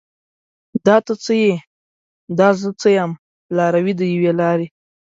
دا ته څه یې؟ دا زه څه یم؟ لاروي د یوې لارې